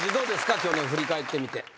去年振り返ってみて。